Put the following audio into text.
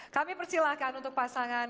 kami persilahkan untuk pasangan